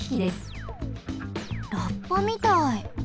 ラッパみたい。